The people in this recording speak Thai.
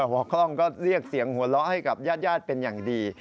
หัวข้องก็เรียกเสียงหัวเราะให้กับญาติเป็นอย่างดี